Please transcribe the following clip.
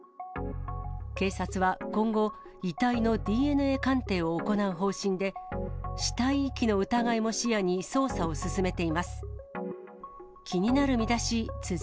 警察は今後、遺体のＤＮＡ鑑定を行う方針で、死体遺棄の疑いも視野に捜査を進めています。